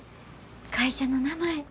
会社の名前